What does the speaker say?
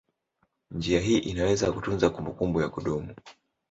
Njia hii inaweza kutunza kumbukumbu ya kudumu.